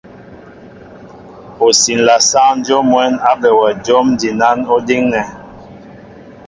Ó siǹla sáŋ dyów mwɛ̌n á be wɛ jǒm jinán ó díŋnɛ.